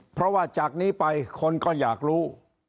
เพราะว่าจากนี้ไปคนก็อยากรู้